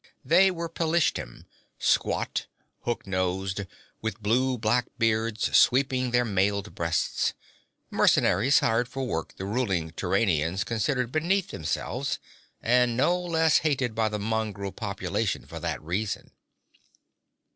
They were Pelishtim, squat, hook nosed, with blue black beards sweeping their mailed breasts mercenaries hired for work the ruling Turanians considered beneath themselves, and no less hated by the mongrel population for that reason.